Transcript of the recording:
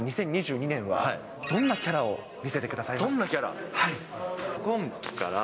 ２０２２年は、どんなキャラを見せてくださいますか。